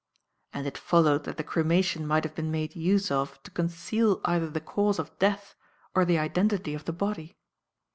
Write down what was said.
And it followed that the cremation might have been made use of to conceal either the cause of death or the identity of the body.